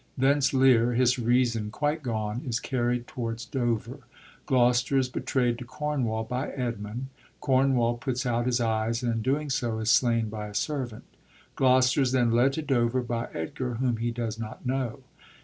Thence Lear, his reason quite gone, is cari'ied towards Dover. Gloster is betrayd to Cornwall by Edmund. Cornwall puts out his eyes, and in doing so is slain by a servant. Gloster is then led to Dover by Edgar, whom he does not know.